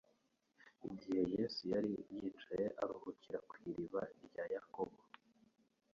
Igihe Yesu yari yicaye aruhukira ku iriba rya Yakobo,